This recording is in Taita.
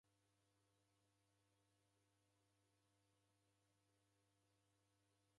Neko na Jesu nisow'a kii?